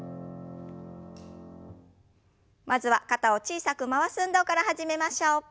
まずは肩を小さく回す運動から始めましょう。